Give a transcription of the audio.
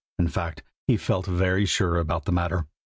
In fact, he felt very sure about the matter.